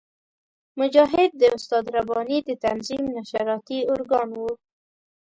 مجاهد د استاد رباني د تنظیم نشراتي ارګان وو.